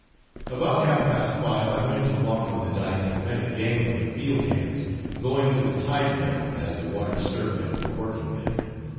About half past five I went to walk on the dykes, and met a gang of the field hands going to the tide mill, as the water served them for working then.